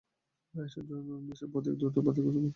এসব প্রতীক দ্রুত বাতিল করে নতুন করে বিধি জারি করা খুবই সম্ভব।